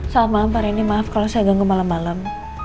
salam malam pak rendy maaf kalau saya ganggu malem malem